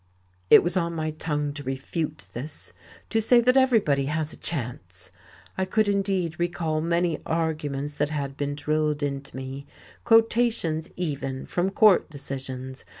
It was on my tongue to refute this, to say that everybody had a chance. I could indeed recall many arguments that had been drilled into me; quotations, even, from court decisions.